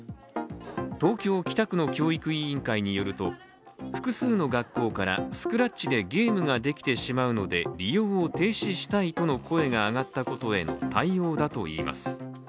東京・北区の教育委員会によると複数の学校からスクラッチでゲームができてしまうので利用を停止したいとの声が上がったことへの対応だといいます。